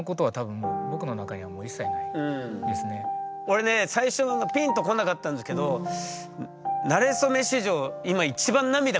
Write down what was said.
俺ね最初ピンとこなかったんですけど「なれそめ」史上今一番涙こらえてますからね。